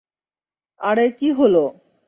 আরে কী হলো?